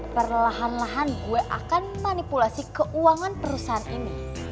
perlahan lahan gue akan manipulasi keuangan perusahaan ini